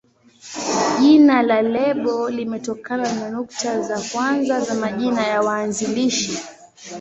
Jina la lebo limetokana na nukta za kwanza za majina ya waanzilishi.